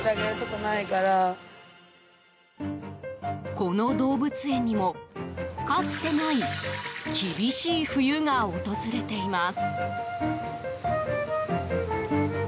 この動物園にも、かつてない厳しい冬が訪れています。